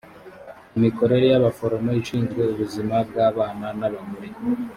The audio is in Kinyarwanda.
imikorere y abaforomo ishinzwe ubuzima bw abana n abagore